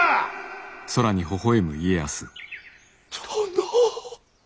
殿。